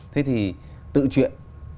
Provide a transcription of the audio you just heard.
thế thì tự truyện